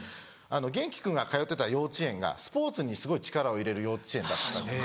元輝君が通ってた幼稚園がスポーツにすごい力を入れる幼稚園だったんです。